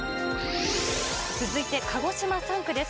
続いて鹿児島３区です。